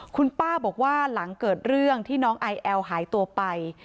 คุณป้าบอกว่าหลังเกิดเรื่องที่น้องไอแอลหายตัวไป